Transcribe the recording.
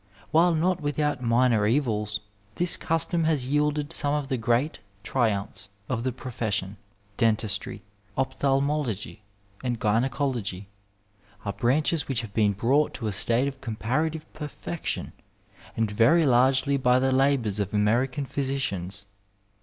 While not without minor evils, this custom has yielded some of the great triumphs of the profession. Dentistry, ophthalmology, and gynaecology are branches which have been brought to a state of comparative per fection, and very largely by the labours of American physi cians.